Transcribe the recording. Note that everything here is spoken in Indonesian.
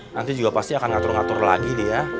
nanti juga pasti akan ngatur ngatur lagi dia